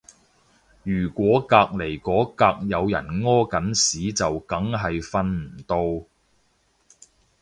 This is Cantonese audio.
如果隔離嗰格有人屙緊屎就梗係瞓唔到